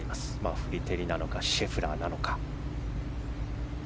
フリテリなのかシェフラーか。